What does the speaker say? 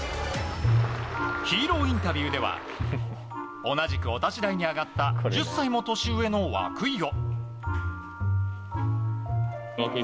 ヒーローインタビューでは同じくお立ち台に上がった１０歳も年上の涌井を。